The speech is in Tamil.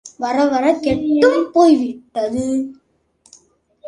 வரவரக் கெட்டும் போய்விட்டது!